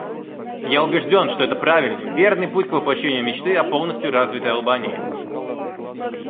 Я убежден, что это правильный, верный путь к воплощению мечты о полностью развитой Албании.